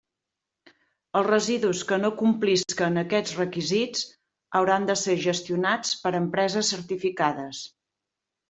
Els residus que no complisquen aquests requisits hauran de ser gestionats per empreses certificades.